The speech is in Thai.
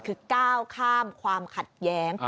คือก้าวข้ามความขัดแย้ง